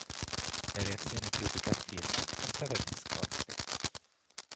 La reazione critica al film è stata discorde.